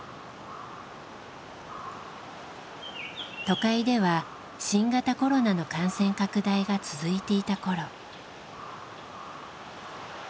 都会では新型コロナの感染拡大が続いていた頃。